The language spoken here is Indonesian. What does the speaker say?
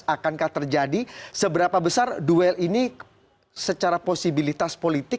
akankah terjadi seberapa besar duel ini secara posibilitas politik